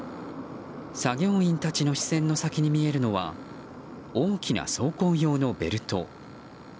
作業員たちの視線の先に見えるのは大きな走行用のベルト。